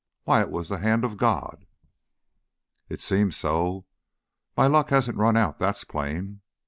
Why, it was the hand of God!" "It seems so. My luck hasn't run out, that's plain."